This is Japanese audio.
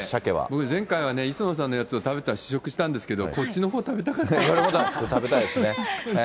僕、前回はね、磯野さんのやつを食べた、試食したんですけど、食べたいですね。